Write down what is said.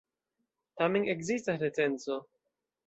Tamen ekzistas recenzo!